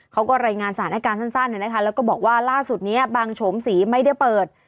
เขาก็รายงานสถานการณ์สั้นแล้วก็บอกว่าล่าสุดนี้บางโฉมศรีไม่ได้เปิด